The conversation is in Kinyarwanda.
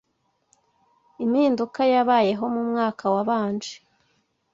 impinduka yabayeho mu mwaka wabanje